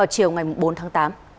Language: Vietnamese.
bốn tháng tám